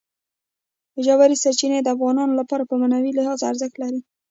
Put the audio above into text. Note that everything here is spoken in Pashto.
ژورې سرچینې د افغانانو لپاره په معنوي لحاظ ارزښت لري.